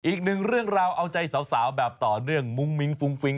อีกหนึ่งเรื่องราวเอาใจสาวแบบต่อเนื่องมุ้งมิ้งฟุ้งฟิ้ง